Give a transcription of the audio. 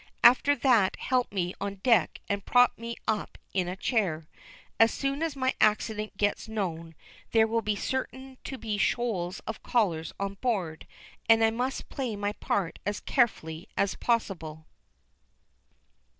After that help me on deck and prop me up in a chair. As soon as my accident gets known there will be certain to be shoals of callers on board, and I must play my part as carefully as possible."